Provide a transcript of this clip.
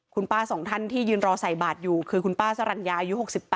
คุณป้าสองท่านที่ยืนรอใส่บาทอยู่คือคุณป้าสรรญาอายุ๖๘